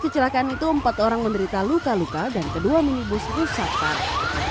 kecelakaan itu empat orang menderita luka luka dan kedua minibus rusak parah